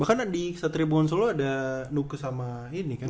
bahkan di satribungan solo ada nukes sama ini kan